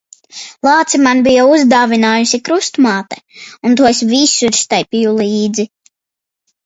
Lāci man bija uzdāvinājusi krustmāte, un to es visur staipīju līdzi.